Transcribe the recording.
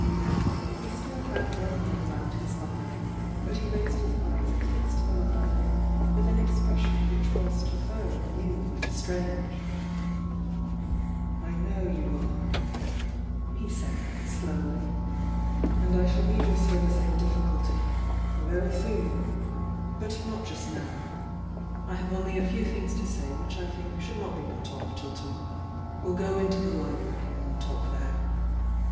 He still had one arm round his mother, — but he raised his eyes and fixed them on Diana with an expression which was to her new and strange. "I know you are!" he said, slowly. "And I shall need your service in a diflficulty — very soon! But 172 THE YOUNG DIANA not just now. I have only a few things to say which I think should not be put off till to morrow. We'll go into the library and talk there."